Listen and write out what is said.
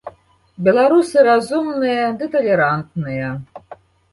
Беларусы разумныя ды талерантныя.